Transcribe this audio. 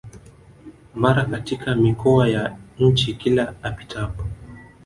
mara katika mikoa ya nchi Kila apitapo